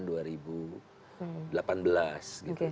jadi ini adalah hal yang sangat penting